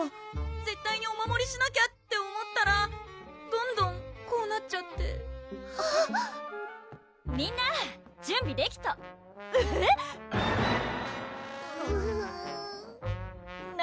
絶対にお守りしなきゃって思ったらどんどんこうなっちゃってみんな準備できたえぇ⁉何？